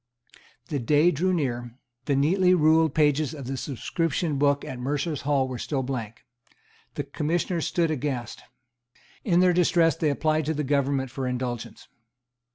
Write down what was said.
The day drew near. The neatly ruled pages of the subscription book at Mercers' Hall were still blank. The Commissioners stood aghast. In their distress they applied to the government for indulgence.